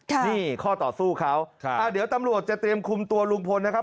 นี่ข้อต่อสู้เขาครับอ่าเดี๋ยวตำรวจจะเตรียมคุมตัวลุงพลนะครับ